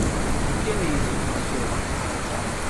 O que é isso tudo sobre?